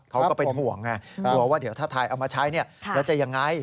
เขาก็เป็นห่วงหัวว่าเดี๋ยวถ้าไทยเอามาใช้แล้วจะอย่างไร